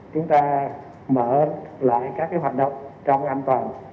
chúng ta mở lại các cái hoạt động trong an toàn